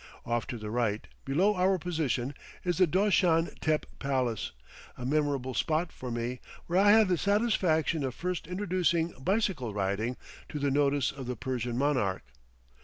Off to the right, below our position, is the Doshan Tepe palace, a memorable spot for me, where I had the satisfaction of first introducing bicycle riding to the notice of the Persian monarch.